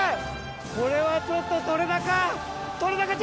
これはちょっと撮れ高。